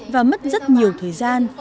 và mất rất nhiều thời gian